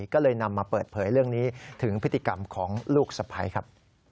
ก็เลยนำมาเปิดเผยเรื่องนี้ถึงพฤติกรรมของลูกสะพ้ายครับ